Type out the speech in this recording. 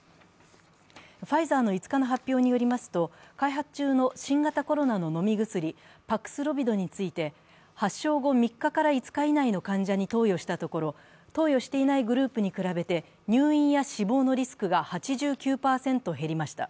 ファイザーの５日の発表によりますと、開発中の新型コロナウイルスの飲み薬、パクスロビドについて、発症後３日から５日以内の患者に投与したところ、投与していないグループに比べて入院や死亡のリスクが８９％減りました。